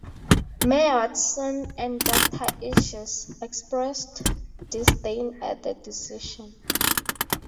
Mayor Watson and Doctor Etches expressed disdain at the decision.